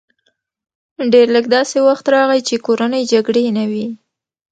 ډېر لږ داسې وخت راغی چې کورنۍ جګړې نه وې